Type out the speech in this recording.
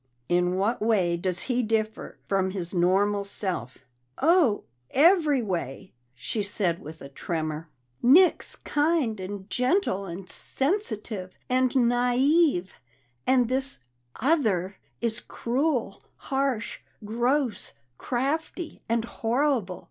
"In what way does he differ from his normal self?" "Oh, every way," she said with a tremor. "Nick's kind and gentle and sensitive and and naive, and this other is cruel, harsh, gross, crafty, and horrible.